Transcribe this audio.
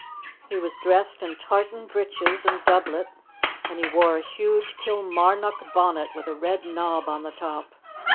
He was dressed in tartan breeches and doublet, and he wore a huge Kilmarnock bonnet with a red knob on the top.